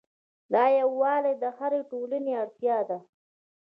دا یووالی د هرې ټولنې اړتیا ده.